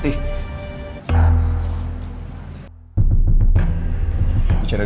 aku mau ke rumah